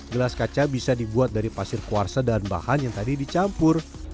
gelas kaca bisa dibuat dari pasir kuarsa dan bahan yang tadi dicampur